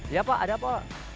iya pak ada apa